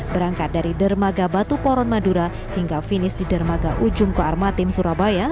berangkat dari dermaga batu poron madura hingga finish di dermaga ujung koarmatim surabaya